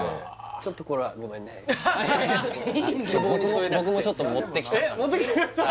ちょっとこれはごめんねいや僕もちょっと持ってきたんでえっ